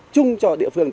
chung cho địa phương